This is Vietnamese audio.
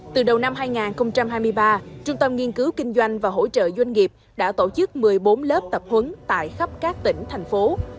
từ đầu năm hai nghìn hai mươi ba trung tâm nghiên cứu kinh doanh và hỗ trợ doanh nghiệp đã tổ chức một mươi bốn lớp tập huấn tại khắp các tỉnh thành phố